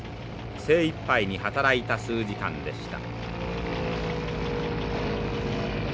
精いっぱいに働いた数時間でした。